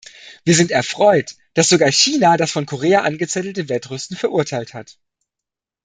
Wir sind erfreut, dass sogar China das von Korea angezettelte Wettrüsten verurteilt hat.